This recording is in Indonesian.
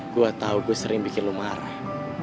gua tau gua sering bikin lu marah